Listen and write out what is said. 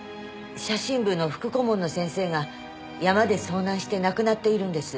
写真部の副顧問の先生が山で遭難して亡くなっているんです。